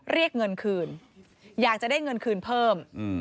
เรียกเงินคืนอยากจะได้เงินคืนเพิ่ม